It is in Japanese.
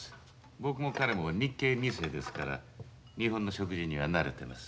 僕も彼も日系二世ですから日本の食事には慣れてます。